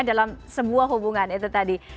dalam sebuah hubungan itu tadi